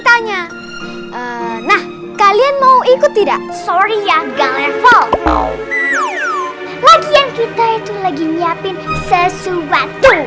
tanya nah kalian mau ikut tidak sorry ya ga level lagian kita itu lagi nyiapin sesuatu